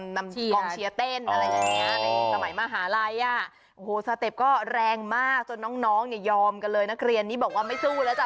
กองเชียร์เต้นอะไรอย่างเงี้ยในสมัยมหาลัยอ่ะโอ้โหสเต็ปก็แรงมากจนน้องเนี่ยยอมกันเลยนักเรียนนี้บอกว่าไม่สู้แล้วจ้